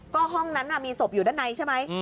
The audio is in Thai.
ก็ห้องนั้นมีศพอยู่ด้านในใช่ไหม